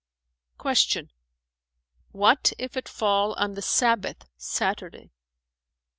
Q "What if it fall on the Sabbath (Saturday)?"